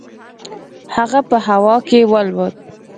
هغه په هوا کې والوت.